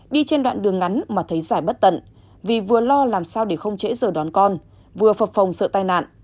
đi trên đoạn đường ngắn mà thấy giải bất tận vì vừa lo làm sao để không trễ giờ đón con vừa phột phòng sợ tai nạn